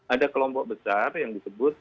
ada kelompok besar yang disebut